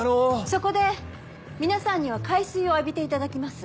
そこで皆さんには海水を浴びていただきます。